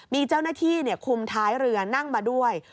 มีเจ้าหน้าที่คุมท้ายเรือนั่งมาด้วย